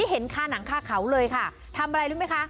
หลบ